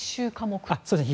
そうです。